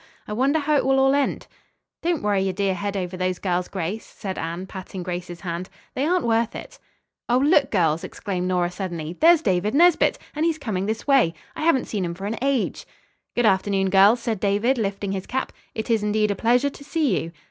I wonder how it will all end?" "Don't worry your dear head over those girls, Grace," said Anne, patting Grace's hand. "They aren't worth it." "Oh, look girls!" exclaimed Nora suddenly. "There is David Nesbit, and he is coming this way. I haven't seen him for an age." "Good afternoon, girls," said David, lifting his cap. "It is indeed a pleasure to see you."